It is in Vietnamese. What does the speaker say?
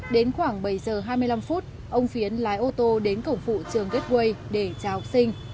đến khoảng bảy giờ hai mươi năm phút ông phiến lái ô tô đến cổng phụ trường gateway để chào học sinh